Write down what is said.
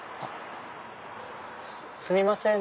すみません。